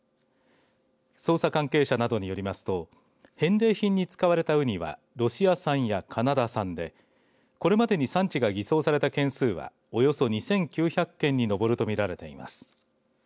捜査関係者などによりますと返礼品に使われたうにはロシア産やカナダ産でこれまでに産地が偽装された件数はおよそ２９００件に上ると見られています。